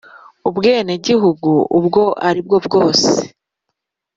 ubwenegihugu ubwo ari bwo bwose